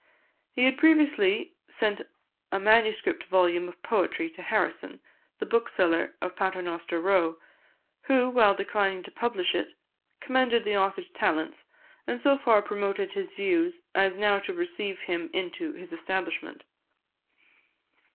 He had previously sent a manuscript volume of poetry to Harrison, the bookseller of Paternoster Row, who, while declining to publish it, commended the author's talents, and so far promoted his views as now to receive him into his establishment.